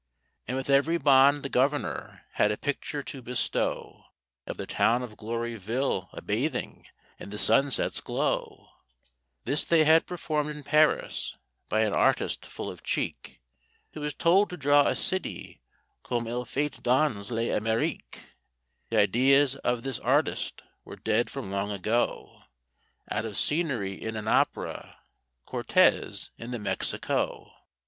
And with every bond the Governor had a picture to bestow Of the town of Gloryville a bathing in the sunset's glow; This they had performed in Paris by an artist full of cheek, Who was told to draw a city comme il faut dans l'Amérique. The ideas of this artist were idead from long ago, Out of scenery in an opera, "Cortez in the Mexico."